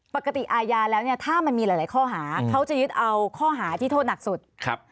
อาญาแล้วเนี่ยถ้ามันมีหลายหลายข้อหาเขาจะยึดเอาข้อหาที่โทษหนักสุดครับ